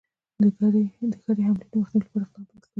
د ګډي حملې د مخنیوي لپاره اقدام پیل کړ.